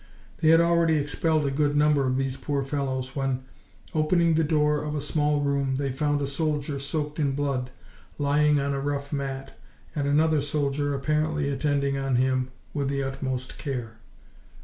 They had already expelled a good number of these poor fellows, when, opening the door of a small room, they found a soldier soaked in blood lying on a rough mat, and another soldier apparently attending on him with the utmost care.